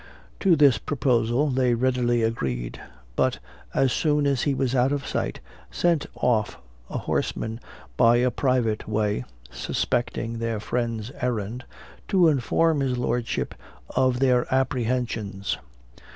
To this proposal they readily agreed; but as soon as he was out of sight, sent off a horseman by a private way (suspecting their friend's errand), to inform his lordship of their apprehensions.